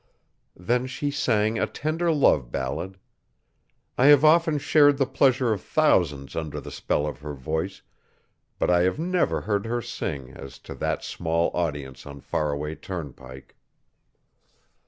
Then she sang a tender love ballad. I have often shared the pleasure of thousands under the spell of her voice, but I have never heard her sing as to that small audience on Faraway turnpike.